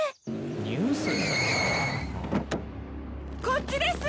こっちです！